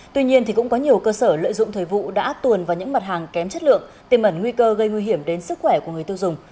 tuy nhiên cũng có nhiều cơ sở lợi dụng thời vụ đã tuồn vào những mặt hàng kém chất lượng tiềm ẩn nguy cơ gây nguy hiểm đến sức khỏe của người tiêu dùng